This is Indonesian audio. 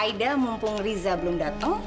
aida mumpung riza belum datang